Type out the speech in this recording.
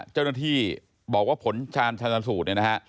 เจ้าหน้าที่บอกว่าผลชาญชาญสูตร